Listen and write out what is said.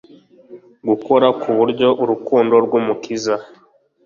gukora ku buryo urukundo rw'Umukiza,